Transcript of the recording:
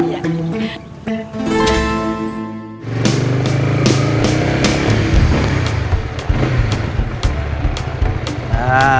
nah ini rumahnya